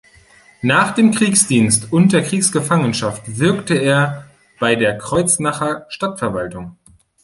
Nach dem Kriegsdienst und Kriegsgefangenschaft wirkte er bei der Kreuznacher Stadtverwaltung.